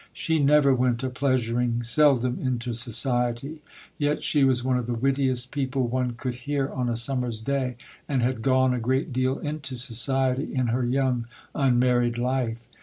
She never went a pleasuring, seldom into society. Yet she was one of the wittiest people one could hear on a summer's day, and had gone a great deal into society in her young unmarried life.